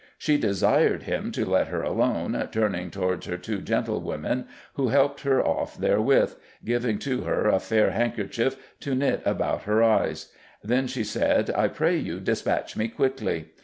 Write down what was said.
"She desyred him to let her alone, turning towards her two gentlewomen who helped her off therewith ... giving to her a fayre handkerchief to knytte about her eyes.... Then she sayd, 'I pray you despatch me quickly.